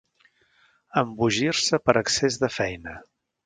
Embogir-se per excés de feina.